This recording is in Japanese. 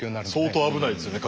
相当危ないですね